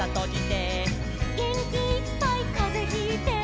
「げんきいっぱいかぜひいて」